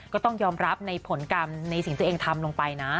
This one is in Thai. ก็ต้องยอมรับในผลกรรมในสิ่งตัวเองทำลงไปนะ